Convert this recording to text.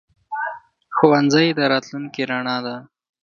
ښوونځی د راتلونکي رڼا ده.